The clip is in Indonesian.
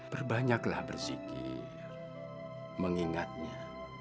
berbanyaklah berzikir mengingatnya